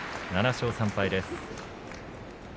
７勝３敗です。